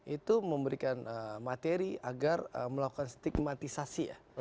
itu memberikan materi agar melakukan stigmatisasi ya